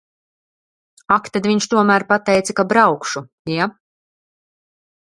Ak tad viņš tomēr pateica, ka braukšu, ja?